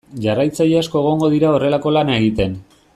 Jarraitzaile asko egongo dira horrelako lana egiten.